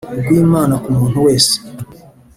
rw Imana ku muntu wese